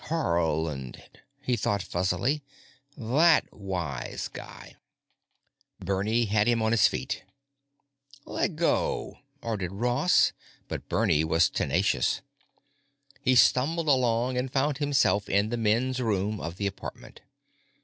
Haarland, he thought fuzzily, that wise guy.... Bernie had him on his feet. "Leggo," ordered Ross, but Bernie was tenacious. He stumbled along and found himself in the men's room of the apartment.